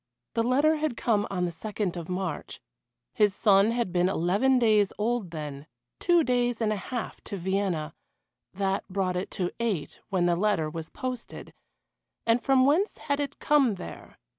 The letter had come on the 2d of March; his son had been eleven days old then two days and a half to Vienna that brought it to eight when the letter was posted and from whence had it come there?